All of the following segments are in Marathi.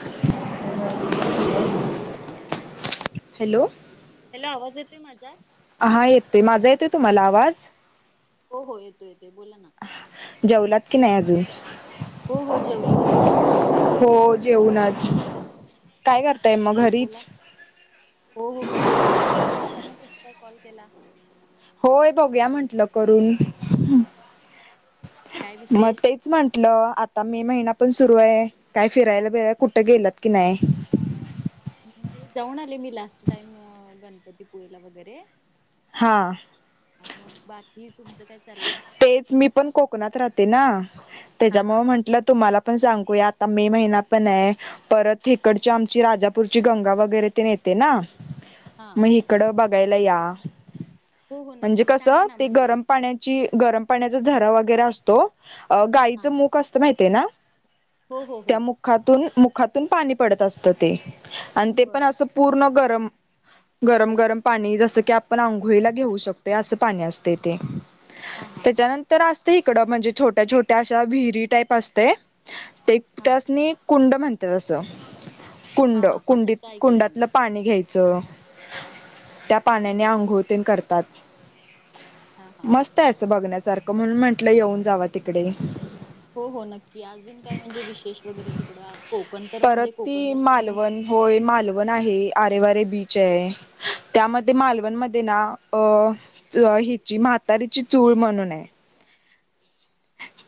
हॅलो [unintelligible] [unintelligible] हॅलो हॅलो आवांज येतोय माझां हां येतोय माझां येतोय तुम्हांला आवांज हो हो येतोय येतोय बोलां नां जेवलांत कि नाहीं अजूंन हो हो जेवले तुम्हीं हो जेऊलाचं कायं गं हो बोलां नां हो हो घरीच तेचं म्हटलं आतांना कसं कायं कॉल केलां होय बघूंया म्हंटलं करूंन काय मंग विशेष? तेचं म्हटलं आंता मे महिना पणं सुरु आहे कायं फिरायला बिरायला कुठं गेलात की नाहीं हो जाऊंन आले मी लास्टं टाईम गणपतीपुळेलां वगैरें हां हां मंग बाकी तुमचं कायं तेचं मी पणं कोकणांत राहते नां हा हा त्यांच्यामुळे हा. म्हंटलं तुम्हांला पणं सांगूया आंता मे महिना पणं आहे. परंत हिकडची आमची राजापूरची गंगा वगैरे तेन येते नां हां हिकडं बघांयला यां हो हो म्हणजे नक्की सांगा कसं ना ते म्हणजे गरमं पाण्यां जे गरमं पाण्यांचा झरा वगैरें असतों. अहो हा. गाईचं मुख असतं माहिती आहे नां हो हो हो. त्यां मूक मूखातूंन मुखातूंन पाणी पडतं असतं ते आणि ते बर पणं असं पूर्ण गरमं गरमं गरमं पाणी जसं की आपणं आंघोळीला घेऊं शकतोय असं पाणी असतंय ते हा हा हा त्यांच्यानंतर असते इकडं म्हणजे छोट्या छोट्या अशा विहिरी टाईप असतें ते हा त्यांसनी कुंड म्हणतेसं हा कुंड हा हा शब्द कुंडीत ऐकलाय मी कुंडातलं पाणी घ्यायचं चं त्यां पाण्यानें अंघोळवतेन करतांत हां मस्तं आहे असं बघण्यांसारखं म्हणूंन म्हंटलं येऊंन जांवा तिकडे हो हो नक्की अजूंन कायं म्हणजे विशेष वगैरें तिकडं कोंकण तरं म्हणजे कोंकण दर्शन होयं मालवण आहे आरेवारे बींच आहे. त्यांमध्ये मालवंणमध्ये नां अं हिची म्हातांरीची चूळं म्हणूंन आहे.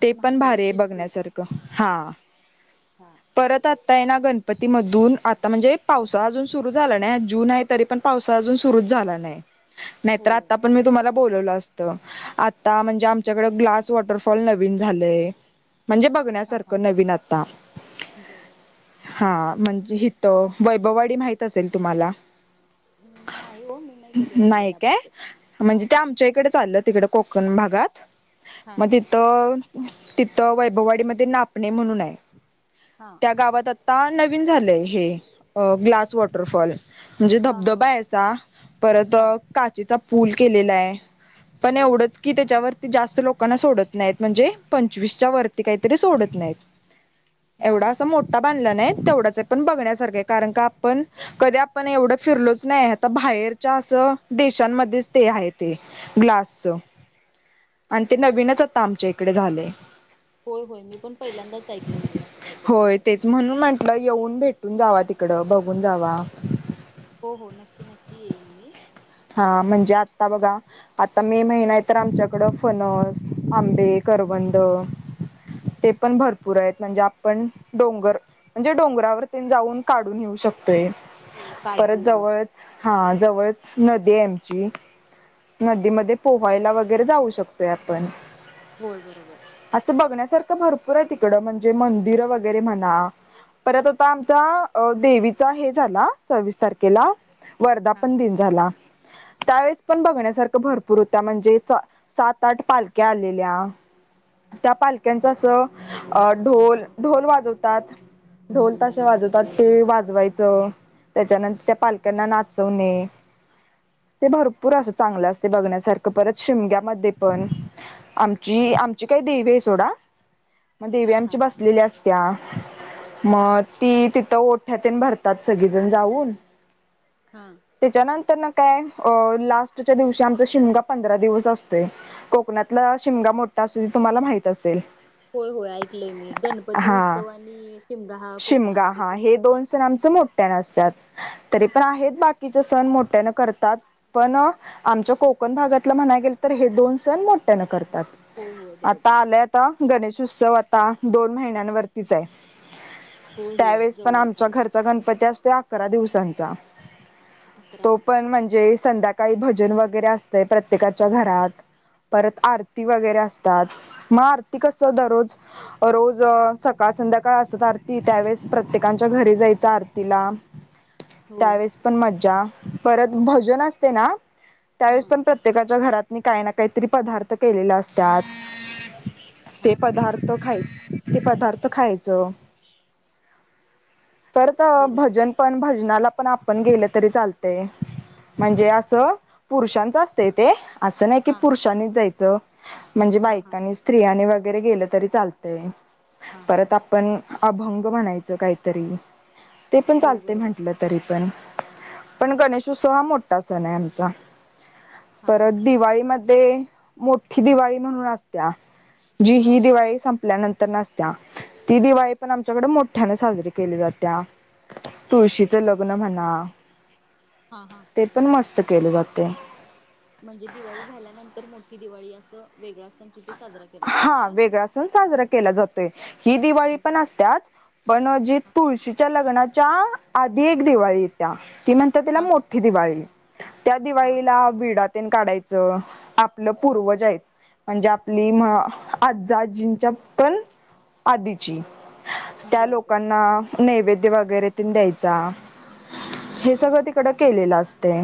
ते पणं भारी आहे म्हातारीची चूल बघण्यांसारखं हां अच्छा परंत आंत्ता आहे नां गणपतीमधूंन आंता म्हणजे पावसाळा अजूंन सुरूं झालां नाहीं अजूंन आहे तरी पणं पावसांळा अजूंन सुरुंच झालां नाहीं नाहीं तरं होय आंता पणं मी तुम्हांला बोलवलं असतं आंता म्हणजे आमच्यांकडे ग्लास वॉटर नवीन झांलय म्हणजे हा बघण्यांसारख हा नवीन आंता बर हां म्हणजे ईथ वैभवाडी माहित असेल तुम्हांला नाहीं हो मी नाहीं कधीं ऐकलं त्यांबद्दल हां इकडे चाललं तिकडे कोकण भागात हा मग ति हा तर तिथं वैभववाडीमध्ये नापणे म्हणून आहे. हां त्या गावात आत्ता नवीन झालं आहे हे ग्लास वॉटरफॉल म्हणजे हा हा धबधबा हा आहेचा परत हा काचेचा पूल केलेला आहे. पण बर एवढंच की त्याच्यावरती जास्त लोकांना सोडत नाही म्हणजे पंचवीसच्या वरती काहीतरी सोडत नाही हा एवढा हा अस हा मोठ टा बांधला नाही तेवढंच आहे पण बघण्यासारखं कारण का आपण कधी आपण एवढं फिरलोच नाही आता बाहेरच्या असं देशांमध्येच ते आहे ते. ग्लासच आणि ते अच्छा नवीनच आता आमच्या इकडे झालेय. होय होय मी पण पहिल्यांदाच ऐकलय असं काहीतरी होय वेगळं. तेच म्हणून म्हटलं येऊन भेटून जावा तिकडं बघून जावा. हो हो नक्की नक्की येईन मी. हा म्हणजे आता बघा आता मे महिना आहे तर आमच्याकडं फनस, आंबे करवंद ते पण भरपूर आहेत म्हणजे आपण डोंगर म्हणजे डोंगरावरती जाऊन काढून येेऊ शकतय. हो परत काजू जवळच हा जवळच नदी आमची. नदीमध्ये पोहायला वगैरे जाऊ शकतोय आपण. होय बरोबर. असं बघण्यासारखं भरपूर आहे तिकडं म्हणजे मंदिरं वगैरे म्हणा परत आता आमचा देवीचा हे झाला सव्वीस तारखेला हा वर्धापन दिन झाला त्यावेेळेस पण बघण्यासारख भरपूर होत म्हणजे सात आठ पालख्या आलेल्या. त्या पालख्यांचं असं ढोल ढोल वाजवतात. ढोल तसेे वाजवतात ते वाजवायचं. त्याच्यानंतर त्या पालकांना नाचवणे. ते भरपूर अस चांगलं असते बघण्यासारखं परत शिमग्यामध्ये पण आमची आमची काही देवी आहे सोडा मग देवी हा आमची हा बस लेल्या असत्या मग ती तिथं ओठ्यात भरतात सगळीजण जाऊन. हां त्याच्यानंतर ना काय अ लास्टच्या दिवशी आमचा शिमगा पंधरा दिवस असतो. कोकणातला शिमगा मोठा अस तुम्हाला माहित असेल. होय होय ऐकलय मी गणपती हा उत्सव आणि शिमगा हा शिमगा कोकणामध्ये हा खूप हे छान दोन आहे. सण आमचं मोठ्याने असतात तरी पण आहेत बाकीचे सण मोठ्यान करतात. पण आमच्या कोकण भागातला म्हणाय गेल तर हे दोन सण मोठ्यानं करतात. होय होय आता बरोबर आहे आलंय आता गणेश उत्सव आता दोन महिन्यांवरतीच आहे. होय होय त्यावेेळेस पण जवळच आमच्या आला घरचा गणपती असतो अकरा दिवसांचा. अकरा तो पण म्हणजे संध्याकाळी भजन वगैरे असतंय प्रत्येकाच्या घरात. परत आरती वगैरे असतात मग आरती कस दररोज रोज सकाळ संध्याकाळ असत आरती त्यावेळेस प्रत्येकांच्या घरी जायच आरतीला [inaudible] हो त्यावेेळेस पण मज्जा परत भजन असते ना हा त्यावेळेस पण प्रत प्रत्येकाच्या घरात काही ना काहीतरी पदार्थ केलेले असतात. हा ते हा पदार्थ तो खाय ते पदार्थ खायचं. करत बरोबर भजन पण भजनाला पण आपण गेलं तरी चालतेय. म्हणजे असं पुरुषांच असतंय ते असं नाही की हा पुरुषांनीच जायचं. म्हणजे हा हा बायकांनी स्त्रियांनी वगैरे गेलं तरी चालतय हा हा परत हा आपण. अभंग म्हणायचं काहीतरी ते पण होय चालते बरोबर म्हटलं तरी पण हा पण गणेशोत्सव हा मोठा सण आहे आमचा हा हा परत दिवाळीमध्ये ते मोठी दिवाळी म्हणून असत्या जी हा ही दिवाळी संप ल्या नंतर नसत्या ती दिवाळी पण आमच्याकडे मोठ्याने साजरी केल्या जात्या, तुळशीच लग्न म्हणा, हा हा. ते पण मस्त केले जाते. म्हणजे दिवाळी झाल्यानंतर मोठी दिवाळी असं वेगळा सण तिथे साजरा के हा वेगळासन साजरा केला जातोय ‌, ही दिवाळी बर. पण असतच. पणजी हा तुळशीच्या लग्नाच्या आधी एक दिवाळी येत्या ती म्हण तला हा हा मोठी दिवाळी त्या हा हा दिवाळीला विडातेन काढायच. आप हा पूर्वज आहेत म्हणजे आप आजजींच्या पण आधीची त्या बर बर लोकांना नैवेद्य वगैरे तेन द्यायचा हा हा हे सगळं तिकड केलेलं असते.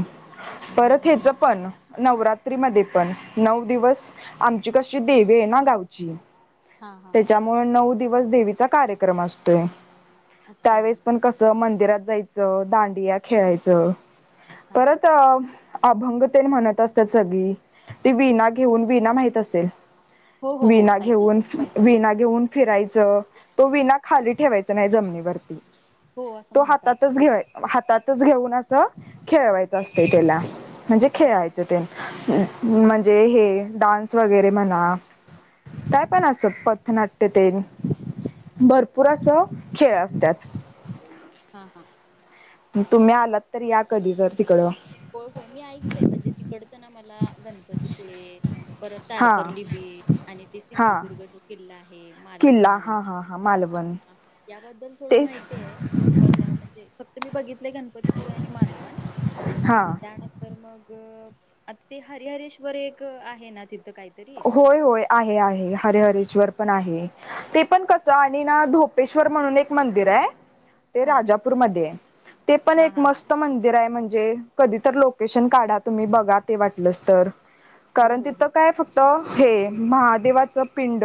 हा परत हा हेच पण नवरात्री मध्ये पण नऊ दिवस आ आमची कशी देवी आहे ना गावची, हा हा त्याच्या मुळा नऊ दिवस देवीचा कार्यक्रम असतोच. अच्छा त्यावेळेस पण कसं मंदिरात जायचं दांडिया खेळायचं हा हा परत अ अभंगतेन म्हणत असतात सगळी ती विणा घेऊन विणा माहत असेल. हो हो हो विणा ऐकलंय घेऊन, बघितलंय विणा घेऊन फिरायचं. तो विना खाली ठेवायच नाही जमनीवरती. हो असं तो म्हणतात हातातच घे -हातातच घेऊन असं खेळवायचं असतय त्याला. म्हणजे हा हा खेळायच तेन म्हणजे हे डान्स वगैरे म्हणा काय पण असं पथनाट्य तेन. भरपूर असं खेळ असतात. हा हा. तुम्ही आलात तर या कधी तर तिकडं. हो होय मी ऐकलय म्हणजे तिकडच ना मला गणपतीपुळे परत हा तारकर्ली बीच आणि ते हा सिंधुदुर्ग जो किल्ला आहे. किल्ला मालवण, हा हा हा मालवण याबद्दल थोडं तेच माहिती आहे, पण म्हणजे फक्त मी बघितले गणपतीपुळे आणि मालवण. अ हा त्यानंतर मग आता ते हरिहरेश्वर एक आहे ना तिथं काही होय होय आहे आहे हरे हरेश्वर पण आहे. ते पण कसं आणि ना धोपेश्वर म्हणून एक मंदिर आहे. ते हा राजापूरमध्ये आहे ते पण हा एक हा हा मस्त मंदिर आहे म्हणजे कधी तर लोकेशन काढा तुम्ही बघा ते वाटलच तर हो कारण हो तिथं हो काय फक्त त हे महादेवाचं पिंड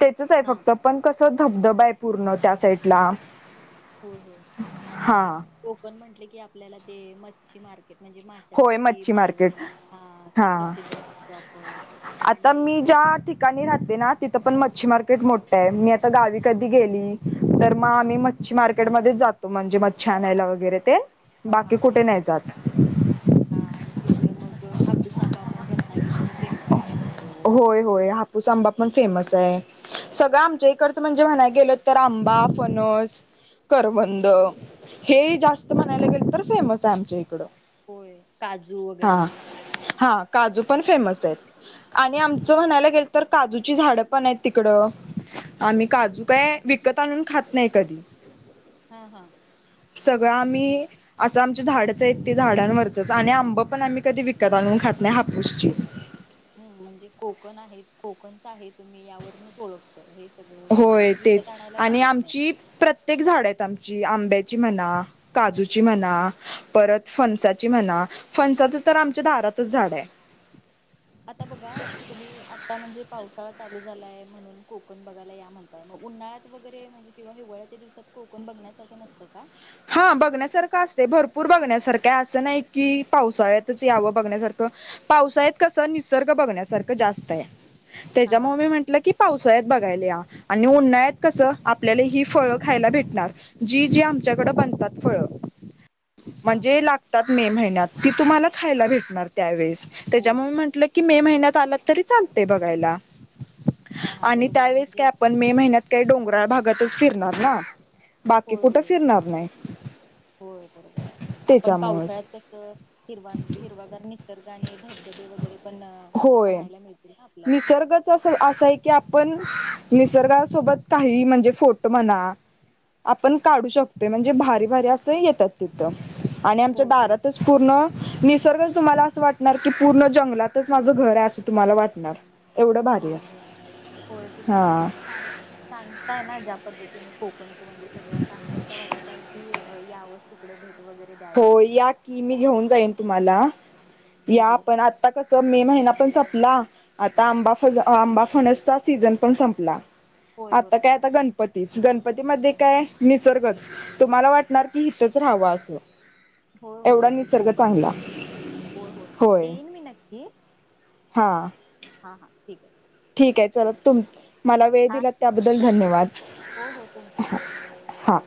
तेचच आहे हा फक्त. पण कस धबधबा आहे पूर्ण त्या साईटला. हो हो आणि कोकण म्हटले की आपल्याला ते मच्छी मार्केट म्हणजे होय माशांसाठी मच्छी मार्केट मालवण हा ते प्रसिद्ध आहे, परत आता आणि मी कोक ज्या ठिकाणी राहते ना तिथं पण मच्छी मार्केट मोट्ट आहे. मी आता गावी कधी गेली तर म हा आम्ही म च्छी मार्केट मध्ये जातो, म्हणजे मग मच्छी आनायला वगैरे ते हा हा बाकी हा कुठे नाही जात. हा आणि तिथलं मग हापूस आंबा पण रत्नागिरीचा. फेमस आहे म्हणतो होय, होय हापूस आंबा पण फेमस आहे. सगळं आमच्या इकडचं म्हणजे म्हणाय गेलो तर आंबा, फणस. करवंद हे जास्त म्हणायला गेल तर फेमस आहे आमच्या इकडं. होय काजू, वगैरे. हा काजू पण फेमस आहेत. आणि हो आमचं म्हणायला गेल तर, काजूची झाडं पण आहेत तिकडं. आम्ही काजू काय विकत आणून खात नाही कधी. हा, हा! सगळं आम्ही. असं आमचे झाडच आहेत ते झाडांवरचच, आणि आंब पण आम्ही कधी विकत आणून खात नाही हापूसची. हूं म्हणजे कोकण आहेत, कोकणच आहे तुम्ही यावरूनच ओळख त हे सगळं म्हणजे विकत आणायला लागत नाही. प्रत कित्येक झाड आहेत आमची आंब्याची म्हना, काजूची म्हणा. परत फणसाची म्हणा, फणसाचं तर आमच्या दारातच झाड आहे. आता बघा तुम्ही आता म्हणजे पावसाळा चालू झालाय म्हणून कोकण बघायला या म्हण काय मगं उन्हाळ्यात वगैरे म्हणजे किंवा हिवाळ्याच्यादिवसात कोकण बघण्यासारखं नसतं का? हा बघण्यासारखं असतेय, भरपूर बघण्यासारखं असं नाही की पावसाळ्यातच यावं बघण्यासारखं. पावसाळ्यात कस निसर्ग बघण्यासारखं जास्त आहे हा हा त्याच्यामुळ मी हा म्हटलं की पावसाळ्यात बघायला या, आणि उन्हाळ्यात कसं आपल्याला हि फळं खायला भेटणार. जी, जी आमच्याकडे बनतात फळ हा म्हणजे लाग तात मे महिन्यात, ती तुम्हाला खायला भेटणार त्यावेळेस होय त्याच्यामुळ म बरोबर म्हटलं कि मे महिन्यात आलात तरी चालतय बघायला हा हा आणि बरोबर आहे त्यावेळीस काय म्हणजे आपण मे महिन्यात काही डोंगराळ भागातच फिरणार ना? बाकी होय कुठे होय फिरणार नाही. होय बरोबर आहे, आपण त्याच्यामुळेच पावसाळ्यात कसं हिरवान हिरवागार निसर्ग आणि धबधबे, वगैरे पण म्हणजे पाहायला मिळतील ना आपल्याला. चस असं आहे की आपण निसर्गासोबत काही म्हणजे फोटो म्हणा. आपण काढू शकतोय, म्हणजे भारी, भारी असं येतात तिथं आणि आमच्या होय होय दारातच पूर्ण निसर्गच तुम्हाला असं वाटणार, की पूर्ण जंगलातच माझं घर आहे असं तुम्हाला वाटणार. एवढं भारी आहे बरबर होय तुम्ही हा म्हणजे सांगित सांगताय ना ज्या पद्धतीने कोकणचं म्हणजे सगळं, अस अक्षरशः वाटत आहे की अ यावच तिकडं भेट वगैरे. हो द्यावी या की मी आता घेऊन जाईन तुम्हाला, हो या हो आपण आ ता कसं मे महिना पण सपला. आता आंबा, फज आंबा फणसचा, सीझन पण संपला होय आता काय बरोबर आता आहे गण पतीच, गणपतीमध्ये काय निसर्गच, तुम्हाला वाटणार की इथेच राहावं असं. होय, एवढा होय ते निसर्ग कोकण चांगला होय, होय येईन मी नक्की. हा! हा, हां ठीक आहे. ठीक आहे चला तुम मला वेळ हा दिलात ठीक त्याबद्दल धन्यवाद. हो, हो तुमचे देखील. हां